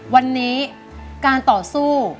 วันนี้การต่อสู้